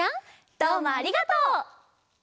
どうもありがとう！